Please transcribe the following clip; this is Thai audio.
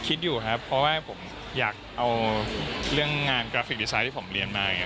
คิดอยู่ครับเพราะว่าผมอยากเอาเรื่องงานกราฟิกดีไซน์ที่ผมเรียนมา